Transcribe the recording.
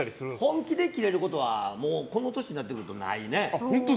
本気でキレることはこの年になってくるとないね。